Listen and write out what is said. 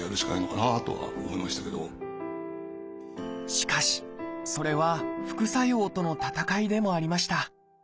しかしそれは副作用との闘いでもありました